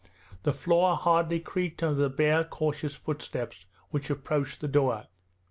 The floor hardly creaked under the bare cautious footsteps which approached the door.